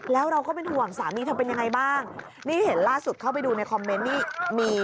แล้วเราก็เป็นห่วงสามีเธอเป็นยังไงบ้างนี่เห็นล่าสุดเข้าไปดูในคอมเมนต์นี่มี